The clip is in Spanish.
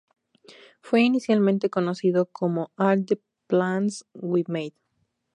Fue inicialmente conocido como "All the plans we made".